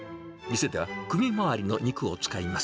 店では首周りの肉を使います。